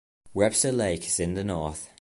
Webster Lake is in the north.